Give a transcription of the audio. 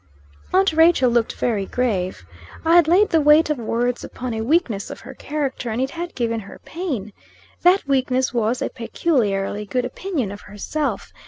Aunt Rachel looked very grave. I had laid the weight of words upon a weakness of her character, and it had given her pain. That weakness was a peculiarly good opinion of herself.